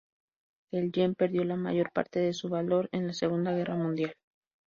El yen perdió la mayor parte de su valor en la Segunda Guerra Mundial.